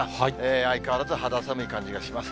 相変わらず肌寒い感じがします。